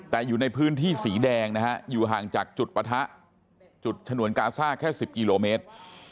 แต่อยู่ในพื้นที่สีแดงนะฮะอยู่ห่างจากจุดปะทะจุดฉนวนกาซ่าแค่๑๐กิโลเมตร